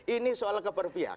ini soal keperbiakan